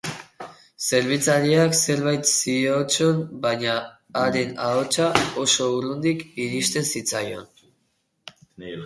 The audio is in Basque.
Zerbitzariak zerbait ziotson, baina haren ahotsa oso urrundik iristen zitzaion.